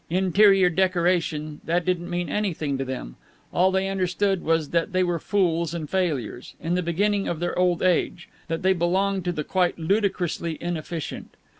"Interior decoration" that didn't mean anything to them. All that they understood was that they were fools and failures, in the beginning of their old age; that they belonged to the quite ludicrously inefficient.